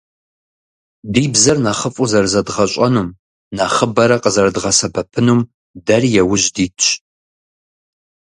Ди бзэр нэхъыфӏу зэрызэдгъэщӀэнум, нэхъыбэрэ къызэрыдгъэсэбэпынум дэри иужь дитщ.